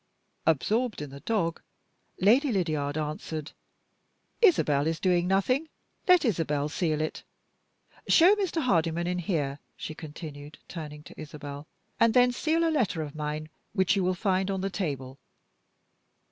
Absorbed in the dog, Lady Lydiard answered, "Isabel is doing nothing, let Isabel seal it. Show Mr. Hardyman in here," she continued, turning to Isabel, "and then seal a letter of mine which you will find on the table."